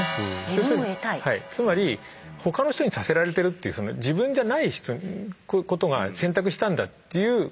つまり他の人にさせられてるって自分じゃないことが選択したんだっていう。